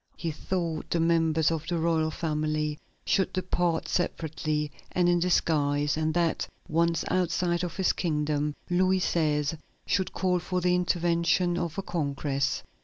He thought the members of the royal family should depart separately and in disguise, and that, once outside of his kingdom, Louis XVI. should call for the intervention of a congress.